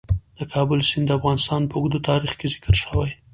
د کابل سیند د افغانستان په اوږده تاریخ کې ذکر شوی.